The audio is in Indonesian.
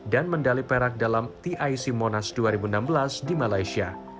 dan mendali perak dalam tic monas dua ribu enam belas di malaysia